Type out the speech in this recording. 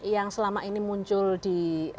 yang selama ini muncul di